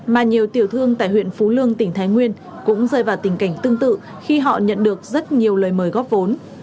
mà nhiều tiểu thương tại huyện phú lương tỉnh thái nguyên cũng rơi vào tình cảnh tương tự khi họ nhận được rất nhiều lời mời góp vốn